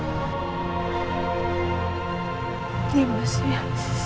ya mas ya